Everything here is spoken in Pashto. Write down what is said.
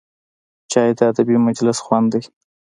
چای د ادبي مجلس خوند دی